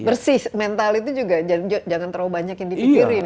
bersih mental itu juga jangan terlalu banyak yang dipikirin